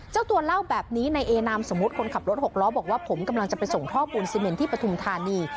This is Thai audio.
เจ้าตัวเล่าแบบนี้ในเอนามสมมุติคนขับรถหกล้อบอกว่าผมกำลังจะไปส่งท่อปูนซีเมนที่ปฐุมธานี